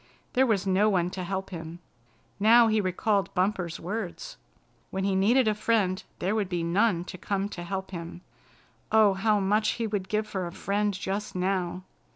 There was no one to help him. Now he recalled Bumper's words. When he needed a friend there would be none to come to help him. Oh, how much he would give for a friend just now!